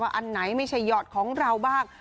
อันไหนไม่ใช่หยอดของเราบ้าง